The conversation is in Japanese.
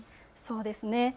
そうですね。